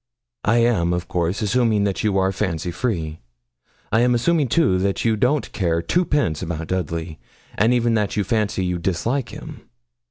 'I am, of course, assuming that you are fancy free. I am assuming, too, that you don't care twopence about Dudley, and even that you fancy you dislike him.